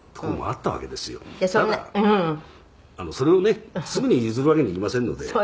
「ただそれをねすぐに譲るわけにいきませんので」